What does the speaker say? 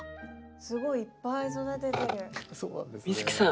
すごいいっぱい育ててる。